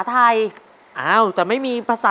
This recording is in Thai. ขอเชิญน้องต้นข้าวมาต่อชีวิตเป็นคนต่อไปครับ